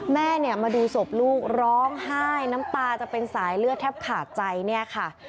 แม่เนี่ยมาดูศพลูกร้องไห้น้ำตาจะเป็นสายเลือดแทบขาดใจเนี่ยค่ะ